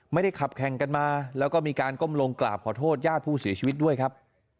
ไม่ได้ขับแข่งกันมาแล้วก็มีการก้มลงกราบขอโทษญาติผู้เสียชีวิตด้วยครับ